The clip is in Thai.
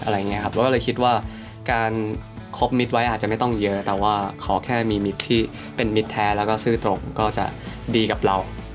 แล้วก็เลยคิดว่าการครบมิตรไว้อาจจะไม่ต้องเยอะแต่ว่าขอแค่มีมิตรที่เป็นมิตรแท้แล้วก็ซื้อตรงก็จะดีกับเรา